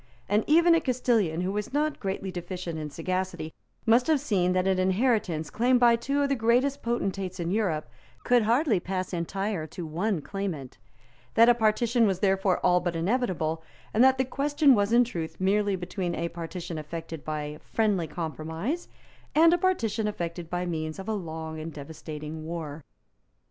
And even a Castilian who was not greatly deficient in sagacity must have seen that an inheritance claimed by two of the greatest potentates in Europe could hardly pass entire to one claimant; that a partition was therefore all but inevitable; and that the question was in truth merely between a partition effected by friendly compromise and a partition effected by means of a long and devastating war.